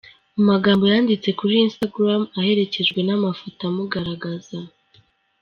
Mu magambo yanditse kuri Instagram aherekejwe n’amafoto amugaragza